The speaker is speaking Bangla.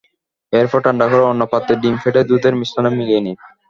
এরপর ঠান্ডা করে অন্য পাত্রে ডিম ফেটে দুধের মিশ্রণে মিলিয়ে নিন।